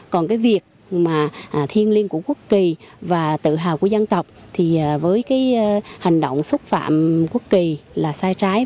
còn cái việc mà thiên liên của quốc kỳ và tự hào của dân tộc thì với cái hành động xúc phạm quốc kỳ là sai trái